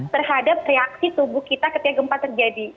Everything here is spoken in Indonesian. terhadap reaksi tubuh kita ketika gempa terjadi